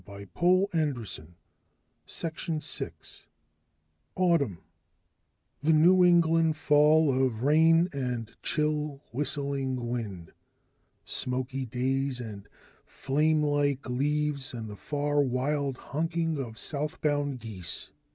Speaking of tigers by the tail Autumn, the New England fall of rain and chill whistling wind, smoky days and flame like leaves and the far wild honking of southbound geese.